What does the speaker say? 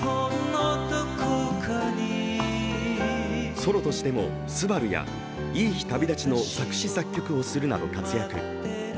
ソロとしても「昂−すばる−」や「いい日旅立ち」の作詞・作曲をするなど活躍。